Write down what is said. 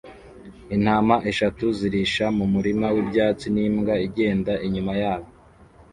Intama eshatu zirisha mu murima wibyatsi n'imbwa igenda inyuma yabo